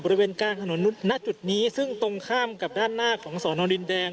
บริเวณกลางถนนณจุดนี้ซึ่งตรงข้ามกับด้านหน้าของสอนอดินแดง